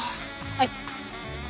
はい。